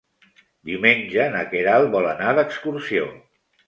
Diumenge na Queralt vol anar d'excursió.